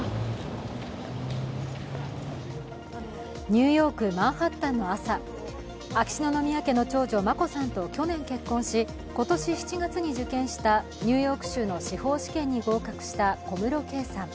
ニューヨーク・マンハッタンの朝秋篠宮家の長女・眞子さんと去年結婚し、今年７月に受験したニューヨーク州の司法試験に合格した小室圭さん。